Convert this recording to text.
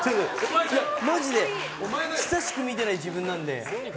マジで久しく見てない自分なんで。